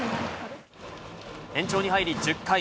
延長に入り、１０回。